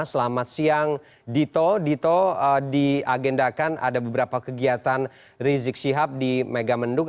selamat siang dito dito diagendakan ada beberapa kegiatan rizik syihab di megamendung